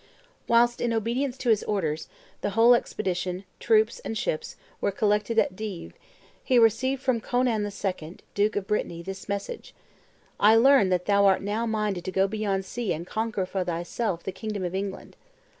Whilst, in obedience to his orders, the whole expedition, troops and ships, were collecting at Dives, he received from Conan II., duke of Brittany, this message: "I learn that thou art now minded to go beyond sea and conquer for thyself the kingdom of England.